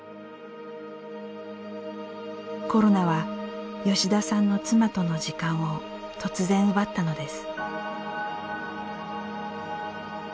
コロナは吉田さんの妻との時間を突然、奪ったのです。